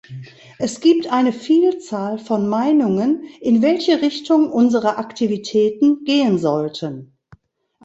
Es gibt eine Vielzahl von Meinungen, in welche Richtung unsere Aktivitäten gehen sollten.